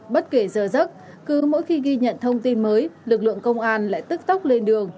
bất kể giờ giấc cứ mỗi khi ghi nhận thông tin mới lực lượng công an lại tức tốc lên đường